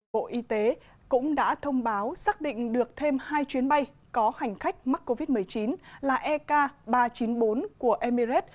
bộ y tế cũng đã thông báo xác định được thêm hai chuyến bay có hành khách mắc covid một mươi chín là ek ba trăm chín mươi bốn của emirates